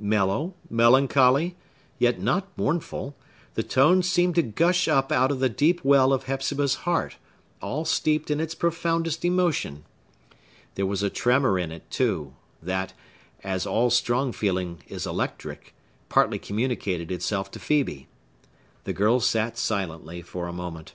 Mellow, melancholy, yet not mournful, the tone seemed to gush up out of the deep well of Hepzibah's heart, all steeped in its profoundest emotion. There was a tremor in it, too, that—as all strong feeling is electric—partly communicated itself to Phœbe. The girl sat silently for a moment.